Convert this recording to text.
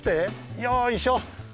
よいしょ。